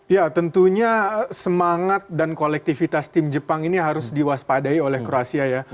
ya tentunya semangat dan kolektivitas tim jepang ini harus diwaspadai oleh kroasia ya